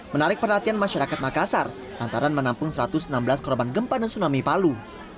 menarik perhatian masyarakat makassar antara menampung satu ratus enam belas korban gempa dan tsunami palu